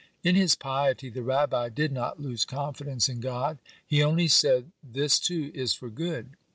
In his piety the Rabbi did not lose confidence in God; he only said: "This too is for good."